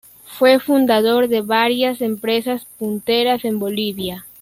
Fue fundador de varias empresas punteras en Bolivia.